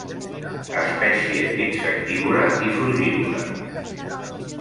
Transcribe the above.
Espècie insectívora i frugívora.